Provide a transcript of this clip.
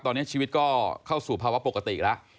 ตอนนี้ชีวิตก็เข้าสู่ภาวะปกติแล้ว